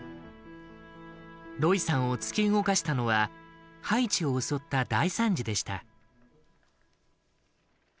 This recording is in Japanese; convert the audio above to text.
ロイさんを突き動かしたのはハイチを襲った大惨事でした。